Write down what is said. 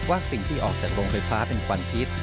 ว่าสิ่งที่ออกจากโรงไฟฟ้าเป็นควันพิษ